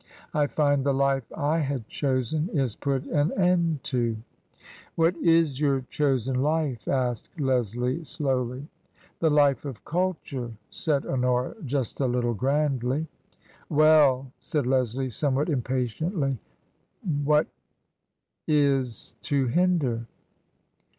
*' I find the life I had chosen is put an end to." " What is your chosen life ?" asked Leslie, slowly. TRANSITION. 59 " The life of culture," sajd Honora, just a little grandly. " Well !" said Leslie, somewhat impatiently ; ""^at is to hinder